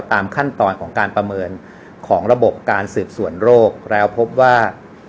ตามขั้นตอนของการประเมินของระบบการสืบสวนโรคแล้วพบว่า